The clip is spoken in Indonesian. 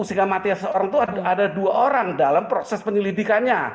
sehingga mati seorang itu ada dua orang dalam proses penyelidikannya